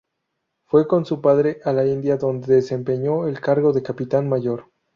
Fue con su padre a la India donde desempeñó el cargo de capitán mayor.